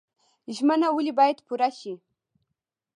ژمنه ولې باید پوره شي؟